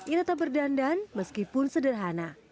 ia tetap berdandan meskipun sederhana